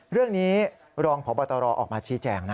เรื่องนี้รองพบตรออกมาชี้แจงนะ